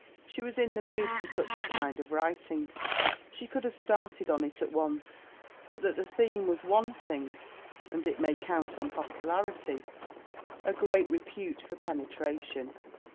She was in the mood for such a kind of writing: she could have started on it at once but that the theme was wanting; and it may count on popularity, a great repute for penetration.